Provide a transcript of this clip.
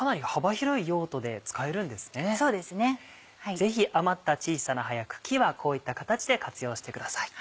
ぜひ余った小さな葉や茎はこういった形で活用してください。